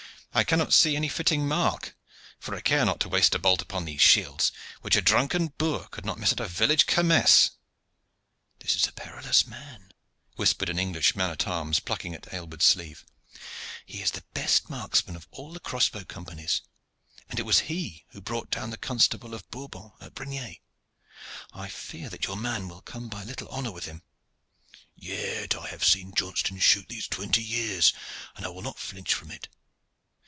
"I cannot see any fitting mark, for I care not to waste a bolt upon these shields, which a drunken boor could not miss at a village kermesse." "This is a perilous man," whispered an English man at arms, plucking at Aylward's sleeve. "He is the best marksman of all the crossbow companies and it was he who brought down the Constable de Bourbon at Brignais. I fear that your man will come by little honor with him." "Yet I have seen Johnston shoot these twenty years, and I will not flinch from it.